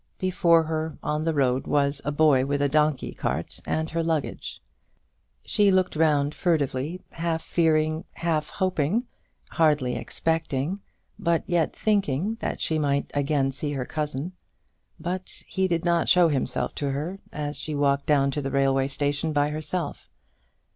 Before her on the road was a boy with a donkey cart and her luggage. She looked round furtively, half fearing, half hoping hardly expecting, but yet thinking, that she might again see her cousin. But he did not show himself to her as she walked down to the railway station by herself.